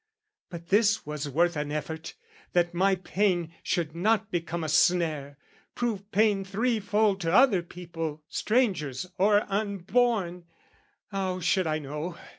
"But this was worth an effort, that my pain "Should not become a snare, prove pain threefold "To other people strangers or unborn "How should I know?